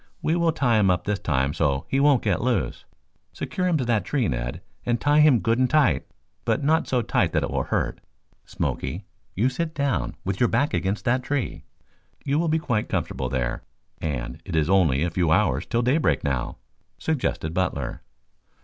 We will tie him up this time so he won't get loose. Secure him to that tree, Ned, and tie him good and tight, but not so tightly that it will hurt. Smoky, you sit down with your back against that tree. You will be quite comfortable there and it is only a few hours till daybreak now," suggested Butler.